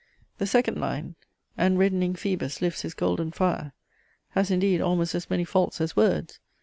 The second line, "And reddening Phoebus lifts his golden fire; " has indeed almost as many faults as words.